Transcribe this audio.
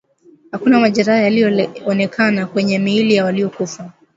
Hakuna majeraha yaliyoonekana kwenye miili ya waliokufa